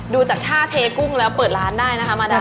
ดูจากท่าเทกุ้งแล้วเปิดร้านได้นะคะมาดาม